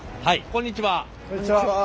こんにちは。